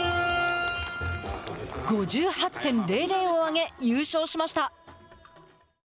５８．００を挙げ優勝しました。